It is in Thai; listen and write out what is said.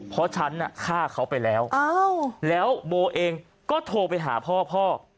เพราะฉันน่ะฆ่าเขาไปแล้วแล้วโบเองก็โทรไปหาพ่อพ่อ